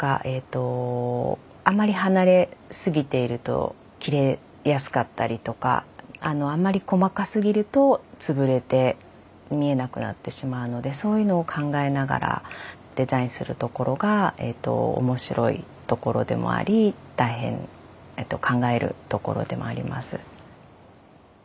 あんまり離れすぎていると切れやすかったりとかあんまり細かすぎると潰れて見えなくなってしまうのでそういうのを考えながらデザインするところがおもしろいところでもあり大変考えるところでもあります。